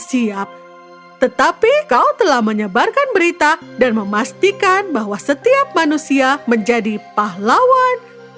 siap tetapi kau telah menyebarkan berita dan memastikan bahwa setiap manusia menjadi pahlawan